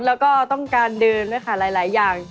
แล้วก็ต้องการเดินด้วยค่ะหลายอย่าง